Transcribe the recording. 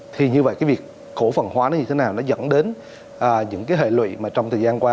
thì như vậy cái việc cổ phần hóa nó như thế nào nó dẫn đến những cái hệ lụy mà trong thời gian qua